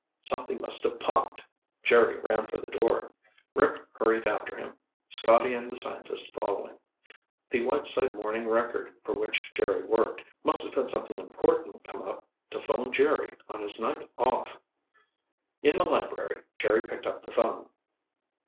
"Something must have popped!" Jerry ran for the door. Rick hurried after him, Scotty and the scientist following. The Whiteside Morning Record, for which Jerry worked, must have had something important come up to phone Jerry on his night off. In the library, Jerry picked up the phone.